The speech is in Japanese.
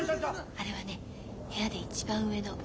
あれはね部屋で一番上の梅響。